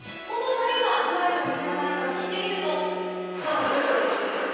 このタレが味わえるお店がないか聞いてみると